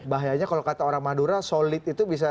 bahayanya kalau kata orang madura solid itu bisa